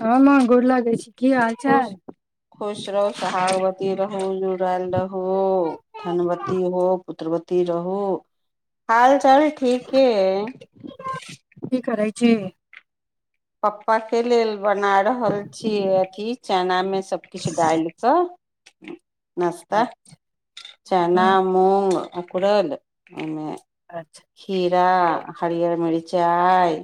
हँ माँ गोर लागै छी की हाल चाल खुश रहू सुहागवती रहू जुड़ल रहू धनवती हो पुत्रवती रहू हाल चल ठीके छै पप्पा के लेल बना रहल छी अथी चनामे सब किछु डालक ह नस्त चना हँ मूंग अंकुरल ओमे अच्छा खीरा हरियर मिरीच मिचाइ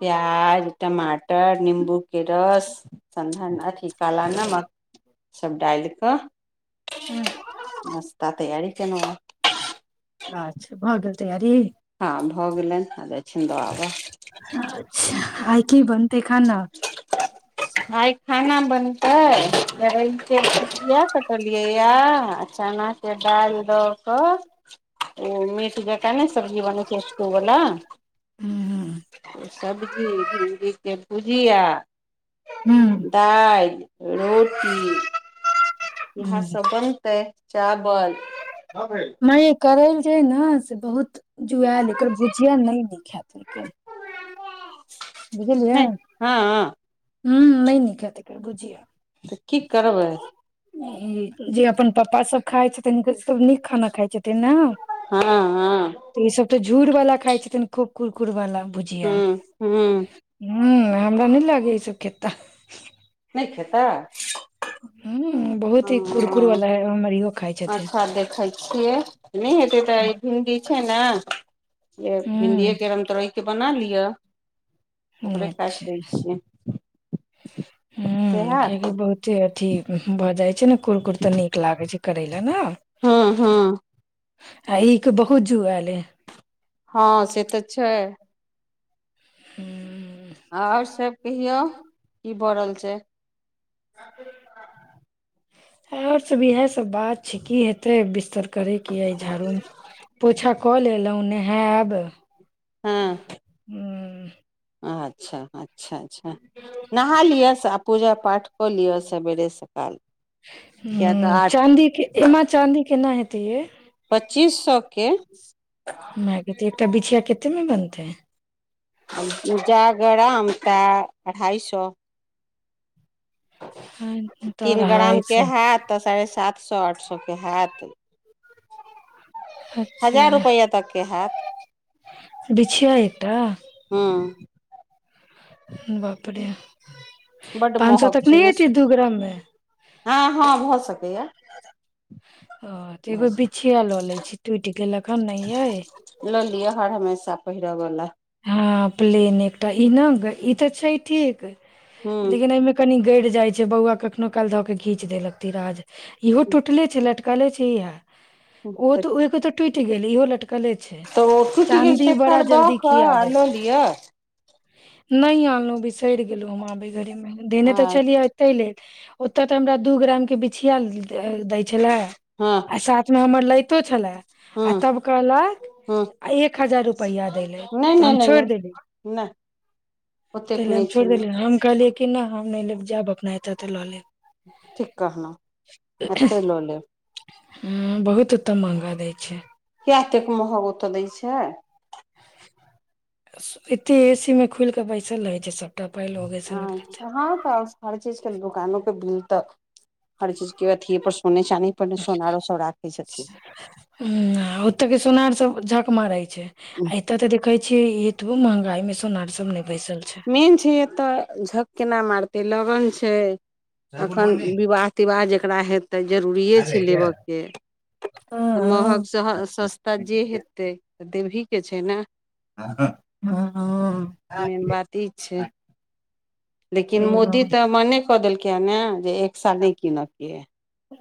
प्याज टमाटर निम्बूके रस सधन अथी काला नमक सभ डालि कऽ नस्ता तैयारी केना अच्छा भऽ गेल तैयारी हँ भऽ गेलनि अ छ आइकेे बन भाय खाना बनतै रके कििया कटलियैए चनाके दालि दऽ कऽ ओ मिट तने सब्जी बनै छैष्ोवला हूँ सब्जी भडी भुजिया हूँ दालि रोटी भात हूँ सब बनतै चावल नहि माँ ये करैइल छै ने से बहुत जुआयल लेकर बुझिय नहि निख है बुझलियै हँ ह नइ निक हेतय एकर भूझिय तऽ की करबै ई जे अपन पापा सब खााय छै त हनक सब नीक खाना खााय छै ने हँ हँ त ई सब तऽ झूर बाला खाइ छथिन खूब कुरकुर वाला भूझिया हूँ हूँ ह हमरा लगे इ सब खेता नहि खेता [inaudible] बहुत ही कुरकुर वाला है हमर इहो खाइ ह छथिन अच्छा देखै छियै नहि हेते तऽ भिंडी छइ नै य भिणडीे ह के रामतौरय के के बना लिअ ओकरे काटि अच्छा दै छियै से ह हैत कियैकी बहुत अथी [inaudible] ने कुरकुर तऽ नीक लागै छै करैला ने हँ हँ आ ई के बहुत जुआयलेै हँ से तऽ छैक हू [inaudible] आओर सब कहियो की भ रहल छैक से [inaudible] आओर सब इएह सब बात छैक की हेतय बिस्तर करेकेँ य झाड़ू पोछा कऽ लेलहुँ नहायब हँ ह [inaudible] अच्छा अच्छा चाँदी के एमे चाँदी [inaudible] चीसक [inaudible] मैगी त त बिछिया केतेमे बनतै [inaudible] जा गरामता अढ़ाइ सौ हँ, तऽ तीन ग्राम अढ़ाइ केँ सए हैत साढ़े सात साठ सौ केँ हैत अच्छा हजार रुपैआ तक केँ हैत बिछिया एकटा हूँ बाप रे बड्ड पाँच सौ महग तक छै नहि ने हेतय दू ग्राम कें हँ हँ भ सकैए हँ त एगो बिछिया ल लैत छी टूटि गेल हन नहि यै पहिरवला [inaudible] हँ प्लेन एकटा ई न ई त छै ठीक हूँ लेकिन एहिमे कनि गड़ जाइत छैक बौआ कखनो काल ध केँ घीच देलक तीराज इहो टूटले छै लट कहले छी इहा ओ तऽ त ओए त टूटि गेल इहो लटक कले छैक तऽ ओ टूटि गेल चाँदी बड़ा तेकर दऽ जल्दी कऽ खिआ आ जाइत लऽ छैक लिअ नहि आनलु बिसरि गेलो हमाबि मे देने आ त छलियै इते लेट ओत त हमरा दू ग्राम के बिछिया दै छलै हँ आ साथ म हमर लैतो छलै आ हँ तब कहलक हँ एक हजार रुपैया दैय लेल नहि त नहि हम नहि नहि छोड़ि देली नहि तै ओतेक ल हम नहि छै छोड़ देलिय हम कहलियै कि न हम नहि लेब जैब अपना एत त ल लेब ठीक कहलौं एतै ल लेब ह्म बहुत ओत मंहगा दै छै कियातेक महग ओतऽ दै छै एते एसी मे खुलि कऽ पैसा लै छै सब अच्छा हँ त हर चीज दुकानो प बिल तक हर चीज के अथिये पर सोने चानी पर ने सोनारो सब राखै छथिन ह ओतऽ के सोनार सब झक मारै छै आ एतऽ तऽ देखै छै एतबो महंगाई में सोनार सब ने मेन छै तऽ झक केना मारत त लगन छै सर गुड एखन मॉर्निंग विवाह तिवाह जकरा हेतै आ जरूरिए गए छै क्या लेबयके महग हाँ, स सस्ता जे हेतै तऽ देवहीके छै ने मेन ह बात ई छै लेकिन ठीक है। मोदी हाँ। तऽ मने कऽ देलक आ जे एक्सा नहि कीनऽ के है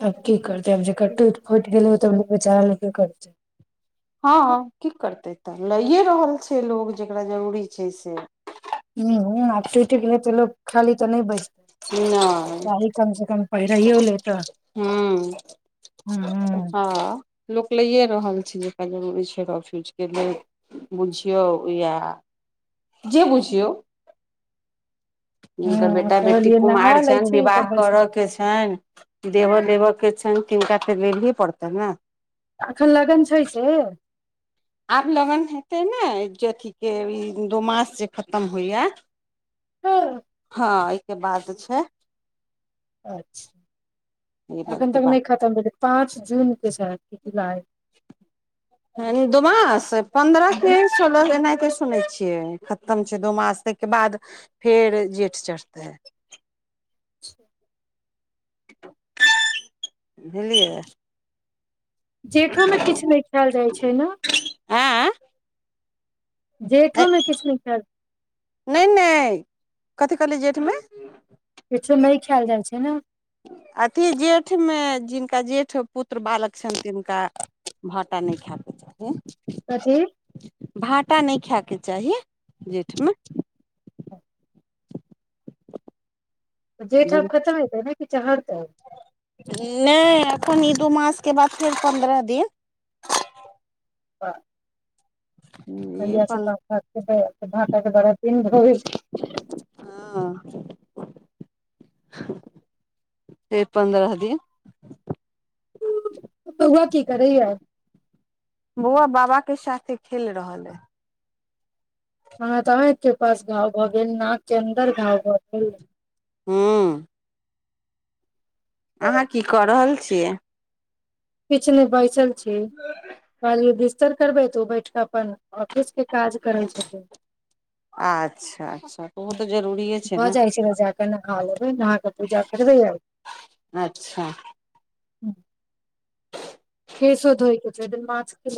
आ की कर त हम जेकर टूट फूट गेलय त बेचार लके करतै हँ कथि करतै तऽ लैए रहल छै लोग जकरा जरूरी छै से ह ह आठ पे लोक खाली तऽ नहि बज नहि पहिराइयो ह्म हू हँ लोक लैए रहल छै जकरा जरूरी छै र फूजके लेल बुझियौ या जे बुझियौ हुनकर हूँ बेटा बेटी कहलियै कुमार नहा लै छनि छी तऽ विवाह करय बैसबै केँ छनि देबह देबह केँ छनि तिनका फेर लही पड़तै ने- अखन लगन छै से आब लगन हेतय ने जे ई दू मास जे खतम होइए हँ हँ एहिकेँ बाद छैक ई एखन के तक नहि खतम भेलै पाँच जूनकेँ छै जुलाइ दूमास पन्द्रह कें सोलह के नहि सुनै छियै खतम छै दो मास तके बाद फेर जेठ चढ़ते अचा [inaudible] बुझलियै जेठोमे किछु नहि खायल जाइत छैक न आँय जेठोमे किछु नहि खा नहि नहि कथी कहलिए जेठमे किछु नहि खायल जाइत छैक ने अथि जेठमे जिनका जेठ पुत्र बालक छनि तिनका भाटा नहि खायकेँ कथी चाही भाटा नहि खाय कें चहिए जेठमे जेठ आब खतम हेतै ने कि चहरतै नहि एखन‌ ई दू मास कें बाद फेर पन्द्रह दिन ब [inaudible] ई कहहिय से [unintelligible] पन काम भाकतै भााते बड़ [unintelligible] हँ से पन्द्रह दिन बौआ की करैय सबकेँ साथे खेल रहल अइ ह तऽ अहाकें पास गाँव भऽ गेल न चन्दर गाँव हू [inaudible] अहाँ की कऽ रहल छियैक किछ नहि बइसल छी आ [inaudible] र करबै तऽ ओ बैठ कऽ अपन ऑफिस कें काज करैत छथिन अच्छा अच्छा तऽ ओहो तऽ जरूरीे छै भऽ ने जाइ जाकऽ नहा लेबै नहा कऽ पूजा करबै अच्छा हूँ केसो धइके छै एकदिन मछके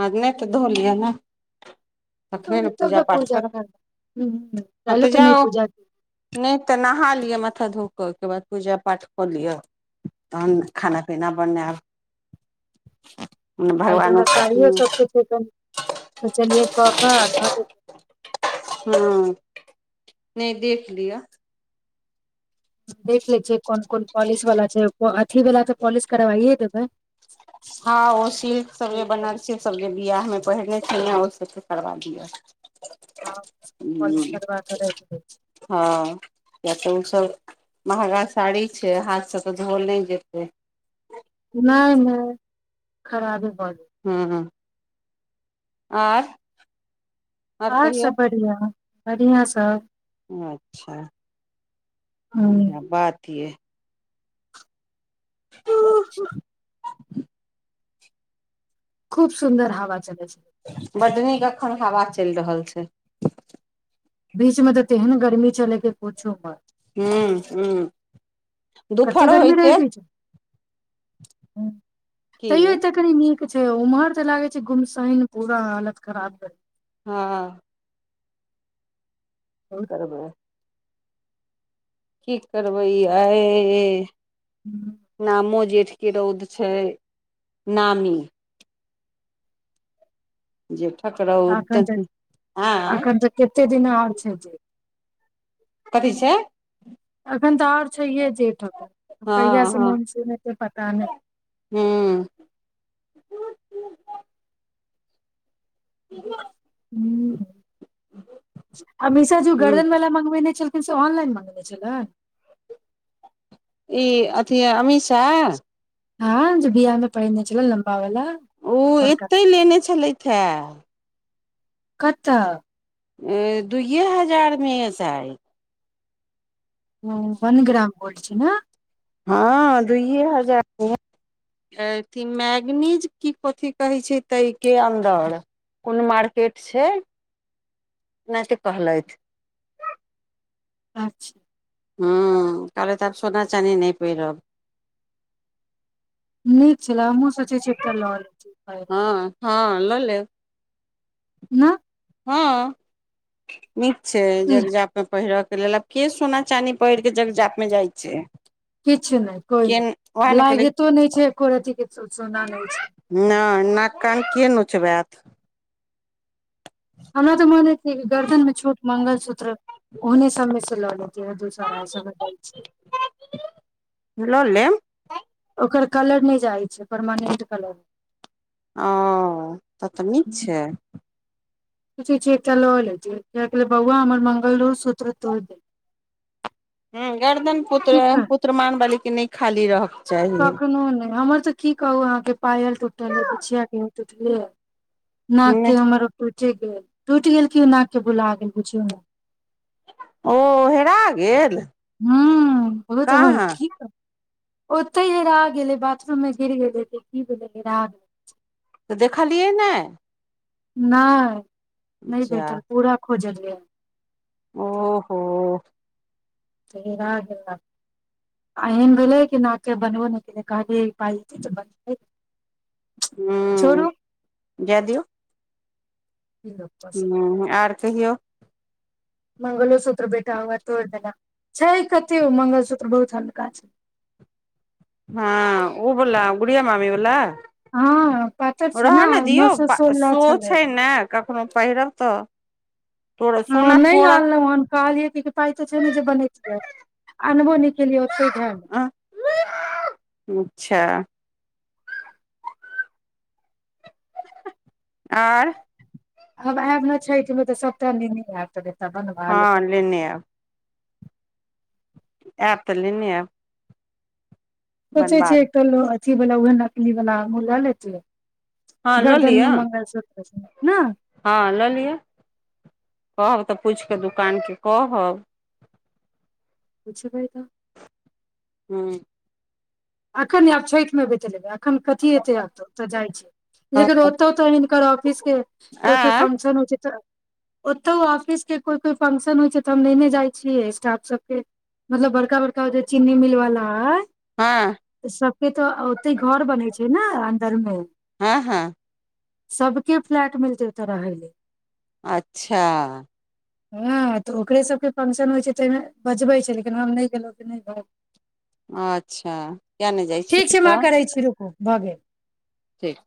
आ नहि तऽ धो लिया ने तखने ने तब पूजा पाठ करब करबै ह हँ काल्हि तऽ नहि जाउ पूजा केलियै, नहि तऽ नहा लिअ माथा धूप ओहिके बाद पूजा पाठ कऽ लिअ तहन खाना पीना बनायब भगवान इ सबके छै सोचलिये कब कह हँ नहि देख लिअ देख लै छियै कोन कोन पॉलिश वला छै अथी वला तऽ पॉलिश करबाइए देबै हँ ओ सिलक सग बनारस सग बिआाहमे पहिरने छह ओ सबके करबा दियअ हँ, पॉलिश करबा कऽ राखि दै छी ह हँ या तऽ ओसभ [unintelligible] महगा साड़ी छै हाथसँ तऽ धोअल नहि जेतै नहि नहि खराब हँ आ आर गेल कहियौ सब बढ़िआँ बढ़िआँ सब अच्छा ह इह बात य खूब सुन्दर हवा चलै छै बड्ड नीक एखन हवा चलि रहल छै बीच मे तऽ तेै ने गर्मी चल के प बात हूं हूं कते दुपहरो गरमी रह होइते की तैयो ए कनि नीक छै उम्हर तऽ लागे छै घुमसन पूरा हालत खराब कर हँ बहुत करबै की करबै आ नामो जे क रौद छै नामी जठ एखन तऽ एखन तऽ कते दिन आओर छै जे कथी छै एखन तऽ आओर छैे जेठ हँ कहिय से हँ मानसून ह त पता नहि हूँ हमेशा जो हूँ गर्दन वला मंगबेने चल कनस अऑनलाइन बनने छै ल ई अथी च [unintelligible] हँ ज बियाह मे पहिरने छलौ लम्बा वाला ओ बड़का एतहि लेने छलथि हे कत दुइए हजारमे अ सायद ह वन ग्राम गोल्ड छी न हँ दुइए हजार अथी मैगनीज की कथि कहै छै ताहिके अन्दर कोन मार्केट छै अनायते कहलथि अच्छा हू के तऽ आब सोना चानी नहि पहिरब नीक छलाह हमहुँ सोचै छलौ एकटा लऽ लैतों हँ हँ लऽ लेब नहि हँ नीक छै जगजाप मे पहिरब लेलब के सोना चानी पहिर के जग जाप में जाइ छै किछु नहि कोइ के वएह नहि ने कहले लागितो नहि छै एको अथे सोना नहि छै नहि नाक कान के नोचबेत हमरा तऽ मन हय छै गर्दन मे छोट मंगलसूत्र ओने सबमे से ल ल इशारा सब बदल छै ब [unintelligible] ओकर कलर नहि जाइ छै परमानेंट कलर ओ तऽ त नीक छै सोचै छियै एकटा लऽ लैत ब‌उआ हमर मंगलो सूत्र तोड़ दे हँ गर्दन पुत्र पुत्र मान बलिक कि नहि खाली रह कखनो नहि हमर तऽ की कहू अहाँके पायल टूटल हय बिछिया के तऽ टुटले न के हमर टुट टटि गेल टुटि गेल क ओ नाक के बुला गेल बुझियौ ने ओ हेरा गेल हू ब हुत हम कहाँ ठीक ह ओतहि हरा गेलै बाथरूम मे गिर गेलै तऽ की भेलैे हरा गेल तऽ देख लियै ने नहि नहि जा भेटल पूरा हो जलै ओहो तरा गेल आ एहन भेलै कि नाके बनबो नहि केलै कहबी पाइत तऽ बनबै ह जय दियौ की लोक कऽ सकै ह आर कहियौ मंगलोसूत्र बेटा हए तोड़ देना छै कतौ मंगलसूत्र बहुत हल्का छै हँ ऊबला गुड़िया मम्मीवला हँ पातर छै रहऽ ने नओ दियौ सए सोलह सो छलै छै ने कखनो पहिरब तऽ तोड़ हँ सोना नहि तोड़त आनलहुँ हन कहलियै कि पाइ तऽ छै ने जे बनैतियै आनबो नहि केलियै ओते ध ल अच्छा आर आब आयब ने छठ मे तऽ सबटा नैन आयब त हँ लेने आ आऐप तऽ लेने आ सोचे छै कलो अी वला उह नकली वला ओ लए लेत हँ लऽ लिअ गर्दनमे मंगल सुत्र न हँ लऽ लिअ कहब तऽ पूछि कऽ दोकानकेँ कहब पुछबाय तऽ हँ एख ने आब छठि मे बेतबै एखन कथी एते एत तऽ जाइ छी लेकिन ओतौ तऽ हिनकर ऑफिस के कोइ कोइ आँय फंक्शन होइ छै तऽ ओतौ ऑफिस के कोइ कोइ फंकशन होइ छै तऽ हम नेने जाइ छियै स्टाफ सबके मतलब बड़का बड़का चीन्नी मिलवाला है हँ सबके तऽ ओते घर बनेै छै ने अन्दर मे हँ हँ सबके फ्लैट मिलतै ओतऽ रहय ल अच्छा हँ तऽ ओकरे सभके फंक्शन होइ छै ताहिमे बजबै छै लेकिन हम नहि गेलहुँ कि नहि भ अच्छा किया नहि जाइ छी ठीक छै मह तऽ करैत छी रुकू भऽ गेल ठीक